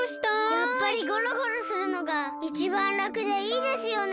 やっぱりゴロゴロするのがいちばんらくでいいですよね。